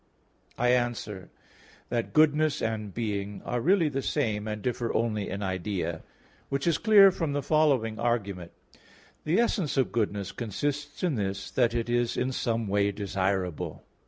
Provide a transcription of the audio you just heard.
I answer that, Goodness and being are really the same, and differ only in idea; which is clear from the following argument. The essence of goodness consists in this, that it is in some way desirable.